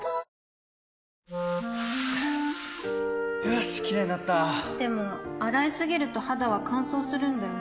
よしキレイになったでも、洗いすぎると肌は乾燥するんだよね